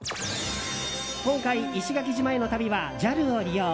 今回、石垣島への旅はＪＡＬを利用。